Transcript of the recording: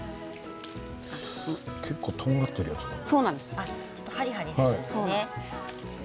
結構とんがっているやつがある。